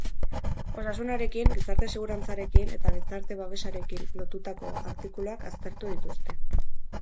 Osasunarekin, gizarte segurantzarekin eta gizarte-babesarekin lotutako artikuluak aztertu dituzte.